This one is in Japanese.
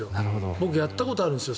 僕やったことあるんですよ